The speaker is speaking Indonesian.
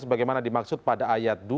sebagaimana dimaksud pada ayat dua